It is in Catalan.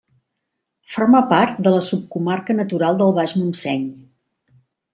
Forma part de la subcomarca natural del Baix Montseny.